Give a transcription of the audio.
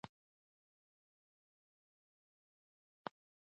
راځئ چې دا ژبه نوره هم پیاوړې کړو.